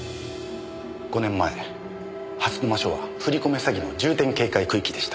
５年前蓮沼署は振り込め詐欺の重点警戒区域でした。